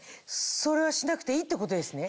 それはしなくていいってことですね？